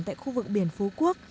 tại khu vực biển phú quốc